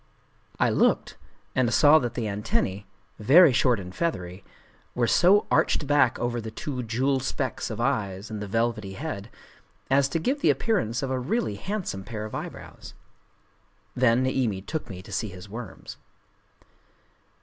I looked, and saw that the antennae, very short and feathery, were so arched back over the two jewel specks of eyes in the velvety head, as to give the appearance of a really handsome pair of eyebrows. Then Niimi took me to see his worms.